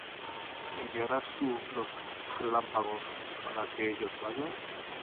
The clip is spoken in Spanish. ¿Enviarás tú los relámpagos, para que ellos vayan?